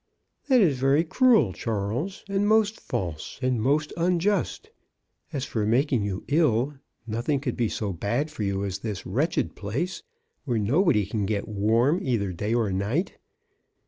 "That is very cruel, Charles, and most false, and most unjust. As for making you ill, noth ing could be so bad for you as this wretched 36 CHRISTMAS AT THOMPSON HALL. place, where nobody can get warm either day or night.